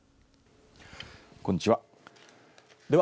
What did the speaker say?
こんにちは。